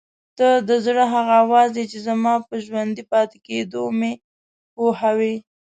ته د زړه هغه اواز یې چې زما په ژوندي پاتې کېدو مې پوهوي.